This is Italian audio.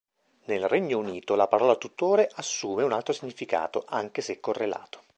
Nel Regno Unito la parola tutore assume un altro significato, anche se correlato.